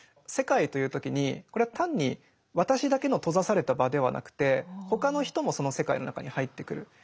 「世界」と言う時にこれは単に私だけの閉ざされた場ではなくて他の人もその世界の中に入ってくる。